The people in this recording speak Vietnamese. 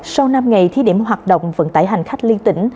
sau năm ngày thí điểm hoạt động vận tải hành khách liên tỉnh